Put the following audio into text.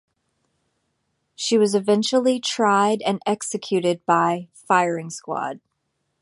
She was eventually tried and executed by firing squad.